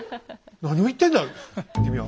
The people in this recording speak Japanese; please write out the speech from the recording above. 何を言ってんだ君は。